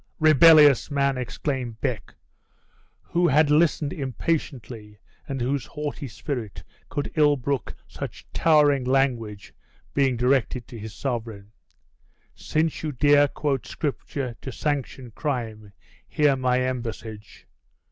"Rebellious man!" exclaimed Beck, who had listened impatiently; and whose haughty spirit could ill brook such towering language being directed to his sovereign; "since you dare quote Scripture to sanction crime, hear my embassage.